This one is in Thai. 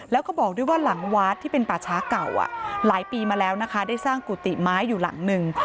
แล้วก็บอกด้วยว่าหลังวัดที่เป็นป่าช้าเก่าหลายปีมาแล้วนะคะได้สร้างกุฏิไม้อยู่หลังหนึ่ง